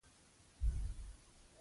کروندګر د حاصل د ویش په اړه پوهه لري